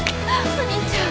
お兄ちゃん。